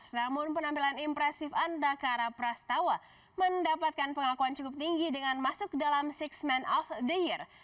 namun penampilan impresif andakara prastawa mendapatkan pengakuan cukup tinggi dengan masuk dalam enam of the year